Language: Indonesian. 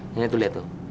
nenek tuh liat tuh